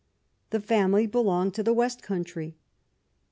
The family belonged to the west country.